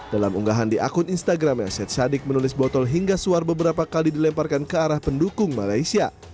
dalam unggahan di akun instagramnya syed sadik menulis botol hingga suar beberapa kali dilemparkan ke arah pendukung malaysia